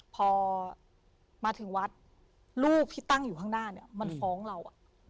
พอมาถึงวัดลูกที่ตั้งอยู่ข้างหน้าเนี่ยมันฟ้องเรา